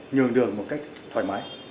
nhường đường một cách thoải mái